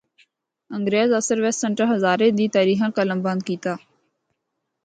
انگریز افسر ویس سنڑ ہزارے دی ہزارے دی تریخ آں قلمبند کیتا۔